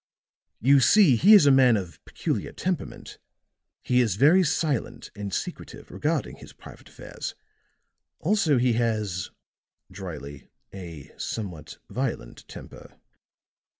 You see, he is a man of peculiar temperament. He is very silent and secretive regarding his private affairs; also he has," drily, "a somewhat violent temper."